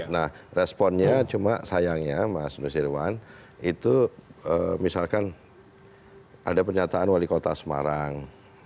nah responnya cuma sayangnya mas nusirwan itu misalkan ada pernyataan wali kota semarang